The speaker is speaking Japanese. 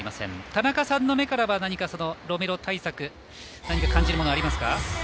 田中さんの目からはロメロ対策何か感じもののがありますか。